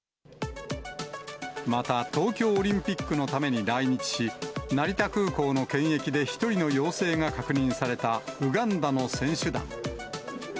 また東京オリンピックのために来日し、成田空港の検疫で１人の陽性が確認されたウガンダの選手団。